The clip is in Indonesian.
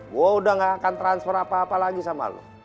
gue udah gak akan transfer apa apa lagi sama lo